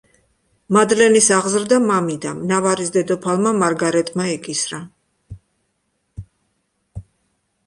მადლენის აღზრდა მამიდამ, ნავარის დედოფალმა მარგარეტმა იკისრა.